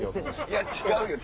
いや違うよ。